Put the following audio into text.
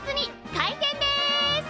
開店です！